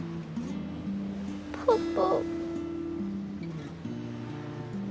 パパ。